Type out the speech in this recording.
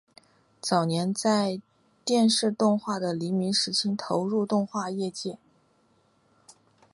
早年在电视动画的黎明时期投入动画业界。